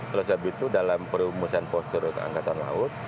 oleh sebab itu dalam perumusan postur angkatan laut